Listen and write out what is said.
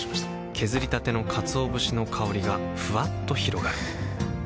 削りたてのかつお節の香りがふわっと広がるはぁ。